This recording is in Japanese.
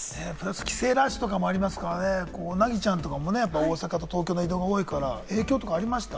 帰省ラッシュとかもありますからね、凪ちゃんとかもね、大阪と東京の移動が多いから影響とかありました？